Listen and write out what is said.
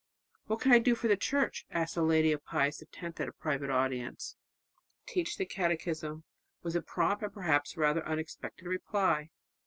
"What can I do for the Church?" asked a lady of Pius X at a private audience. "Teach the catechism," was the prompt and perhaps rather unexpected reply.